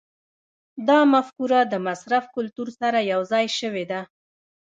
دا مفکوره د مصرف کلتور سره یوځای شوې ده.